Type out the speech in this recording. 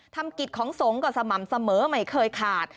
กิจของสงฆ์ก็สม่ำเสมอไม่เคยขาด